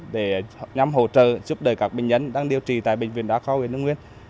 để nhằm hỗ trợ giúp đỡ các bệnh nhân đang điều trị tại bệnh viện đa kho huyện hưng nguyên